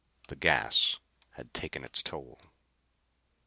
The gas had taken its toll.